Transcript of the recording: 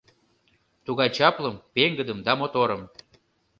Тугай чаплым, пеҥгыдым да моторым.